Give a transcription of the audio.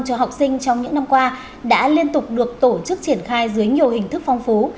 cho học sinh trong những năm qua đã liên tục được tổ chức triển khai dưới nhiều hình thức phong phú